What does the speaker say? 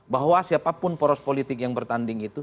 bahwa siapapun poros politik yang bertanding itu